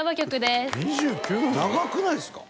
長くないですか？